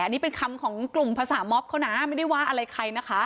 อันนี้เป็นคำของกลุ่มภาษามอบเขานะไม่ได้ว่าอะไรใครนะคะ